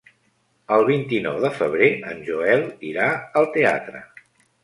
El vint-i-nou de febrer en Joel irà al teatre.